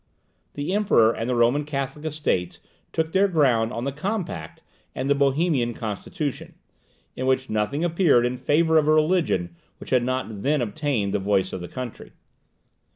The Emperor and the Roman Catholic Estates took their ground on the Compact and the Bohemian Constitution; in which nothing appeared in favour of a religion which had not then obtained the voice of the country.